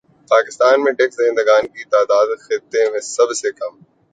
پاکستان میں ٹیکس دہندگان کی تعداد خطے میں سب سے کم